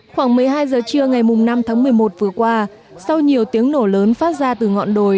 khoảng một mươi hai giờ trưa ngày năm tháng một mươi một vừa qua sau nhiều tiếng nổ lớn phát ra từ ngọn đồi